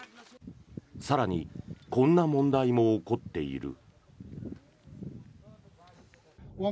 更にこんな問題も起こっている。